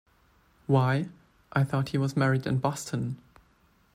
Why — I thought he was married in Boston.